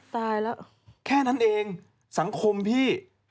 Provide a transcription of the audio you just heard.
ตายแล้วแค่นั้นเองสังคมพี่